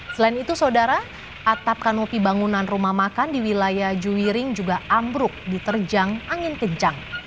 selain itu saudara atap kanopi bangunan rumah makan di wilayah juwiring juga ambruk diterjang angin kencang